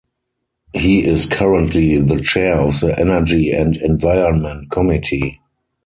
He is currently the Chair of the Energy and Environment Committee.